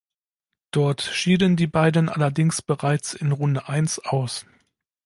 Dort schieden die beiden allerdings bereits in Runde eins aus.